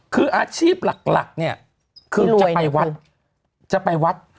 คืออาชีพหลักเนี่ยคือจะไปวัด